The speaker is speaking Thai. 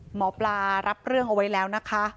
หมอปลารับเรื่องเอาไว้แล้วนะคะ